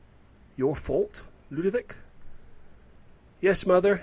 "Your fault, Ludovic?" "Yes, mother.